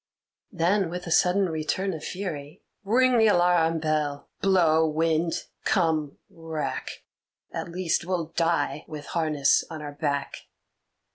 Then, with a sudden return of fury, "Ring the alarum bell! Blow, wind! come, wrack! At least we'll die with harness on our back!"